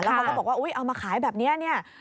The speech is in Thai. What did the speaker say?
แล้วก็บอกว่าเอามาขายแบบนี้